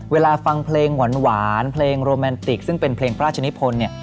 เวลาฟังเพลงหวานเพลงโรแมนติกซึ่งเป็นเพลงพระราชนิพลเนี่ย